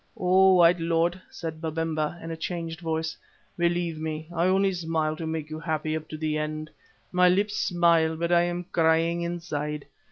"Oh! white lord," said Babemba, in a changed voice, "believe me I only smile to make you happy up to the end. My lips smile, but I am crying inside.